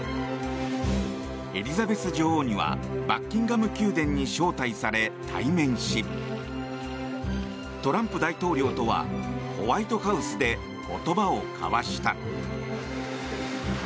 エリザベス女王にはバッキンガム宮殿に招待され対面しトランプ大統領とはホワイトハウスで言葉を交わした。